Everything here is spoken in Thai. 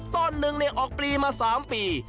ต้นหนึ่งออกปลีมา๓ปี